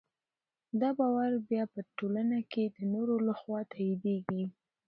دا باور بیا په ټولنه کې د نورو لخوا تاییدېږي.